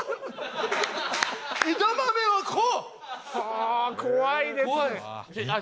ああ怖いですね。